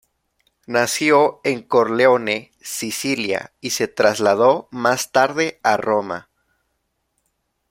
Nació en Corleone, Sicilia, y se trasladó más tarde a Roma.